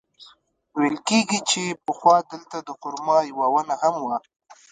ویل کېږي چې پخوا دلته د خرما یوه ونه هم وه.